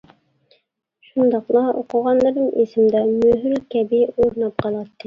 شۇنداقلا، ئوقۇغانلىرىم ئېسىمدە مۆھۈر كەبى ئورناپ قالاتتى.